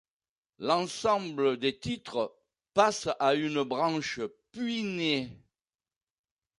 L'ensemble des titres passe à une branche puînée.